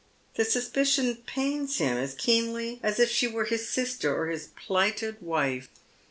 The suspicion pains him as keenly as if she were his sister or his plighted wife.